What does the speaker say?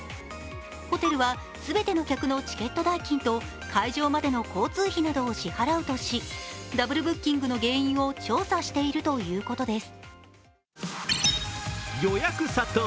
ホテルは全ての客のチケット代金と会場までの交通費などを支払うとし、ダブルブッキングの原因を調査しているということです。